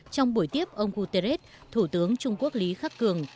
trong buổi tiếp ông guterres thủ tướng trung quốc lý khắc cường